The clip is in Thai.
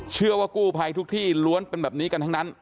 เชื่อว่ากู้ภัยทุกที่ล้วนเป็นแบบนี้กันทั้งนั้น